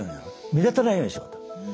目立たないようにしようと。